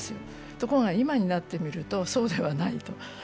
ところが今になってみると、そうではないと。